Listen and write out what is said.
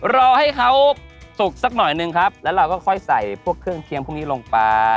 รอให้เขาสุกสักหน่อยหนึ่งครับแล้วเราก็ค่อยใส่พวกเครื่องเคียงพวกนี้ลงไป